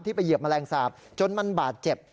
ไปเหยียบแมลงสาปจนมันบาดเจ็บ